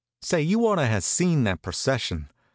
Say, you ought to have seen that procession.